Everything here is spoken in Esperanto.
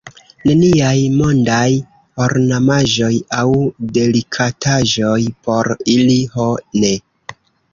Neniaj mondaj ornamaĵoj aŭ delikataĵoj por ili, ho ne!